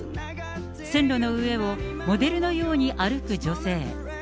線路の上をモデルのように歩く女性。